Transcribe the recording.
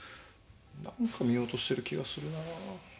なんか見落としてる気がするな。